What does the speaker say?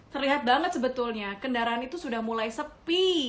terlihat banget sebetulnya kendaraan itu sudah mulai sepi